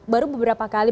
baru beberapa kali